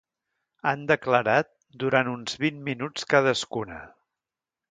Han declarat durant uns vint minuts cadascuna.